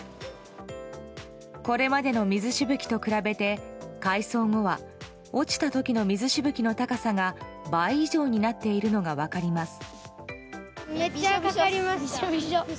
これまでの水しぶきと比べて改装後は落ちた時の水しぶきの高さが倍以上になっているのが分かります。